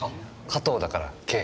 加藤だからＫ。